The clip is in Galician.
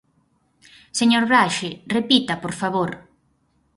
Señor Braxe, repita, por favor.